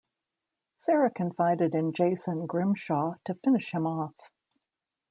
Sarah confided in Jason Grimshaw to finish him off.